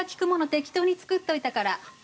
適当に作っといたから。